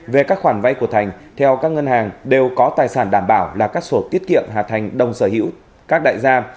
về các khoản vay của thành theo các ngân hàng đều có tài sản đảm bảo là các sổ tiết kiệm hà thành đông sở hữu các đại gia